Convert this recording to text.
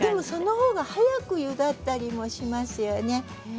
そのほうが早くゆだったりもしますよね。